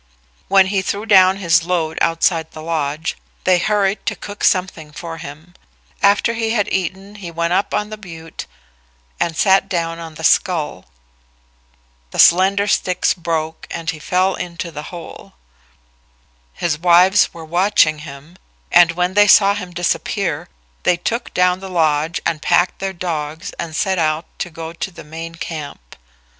When he threw down his load outside the lodge, they hurried to cook something for him. After he had eaten he went up on the butte and sat down on the skull. The slender sticks broke and he fell into the hole. His wives were watching him, and when they saw him disappear, they took down the lodge and packed their dogs and set out to go to the main camp.